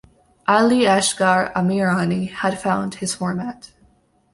Ali Asghar Amirani had found his format.